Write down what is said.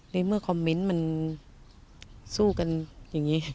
ในเมื่อคอมเมนต์มันสู้กันอย่างนี้